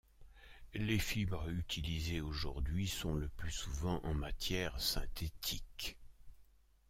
Les fibres utilisées aujourd'hui sont le plus souvent en matière synthétique.